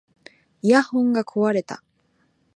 イヤホンが壊れた